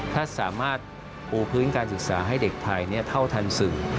ถ้าสามารถปูพื้นการศึกษาให้เด็กไทยเท่าทันสื่อ